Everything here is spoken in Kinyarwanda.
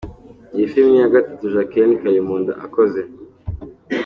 Iyi filime ni iya gatatu Jacqueline Kalimunda akoze.